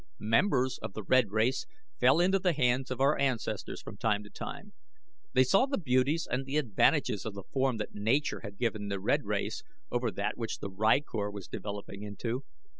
Members of the red race fell into the hands of our ancestors from time to time. They saw the beauties and the advantages of the form that nature had given the red race over that which the rykor was developing into.